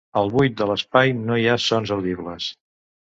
Al buid de l'espai no hi ha sons audibles.